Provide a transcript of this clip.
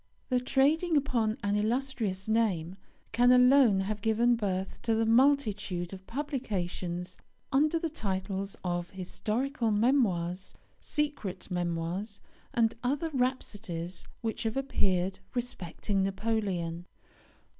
The trading upon an illustrious name can alone have given birth to the multitude of publications under the titles of historical memoirs, secret memoirs, and other rhapsodies which have appeared respecting Napoleon.